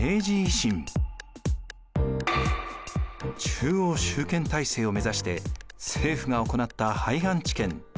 中央集権体制を目指して政府が行った廃藩置県。